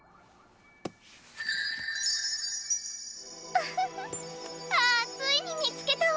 フフフッああついにみつけたわ！